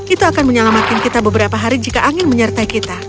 itu akan menyelamatkan kita beberapa hari jika angin menyertai kita